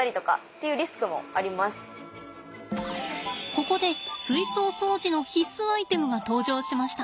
ここで水槽掃除の必須アイテムが登場しました。